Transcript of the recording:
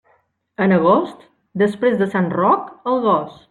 En agost, després de sant Roc, el gos.